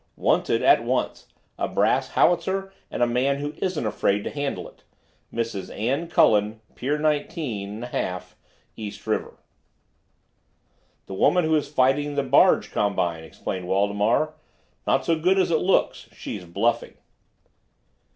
WANTED—At once, a brass howitzer and a man who isn't afraid to handle it. Mrs. Anne Cullen, Pier 49½ East River. "The woman who is fighting the barge combine," explained Waldemar. "Not so good as it looks. She's bluffing."